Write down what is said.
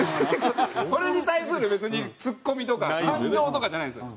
これに対する別にツッコミとか感情とかじゃないんですよ。